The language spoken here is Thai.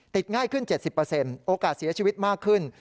ง่ายขึ้น๗๐โอกาสเสียชีวิตมากขึ้น